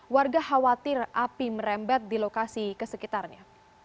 warga khawatir api merembet di lokasi kesekitarnya